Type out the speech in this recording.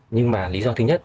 nhưng mà lý do thứ nhất